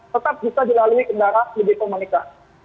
tetap bisa dilalui kendaraan lebih ke monica